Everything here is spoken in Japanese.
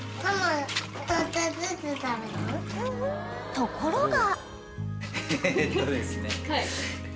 ［ところが］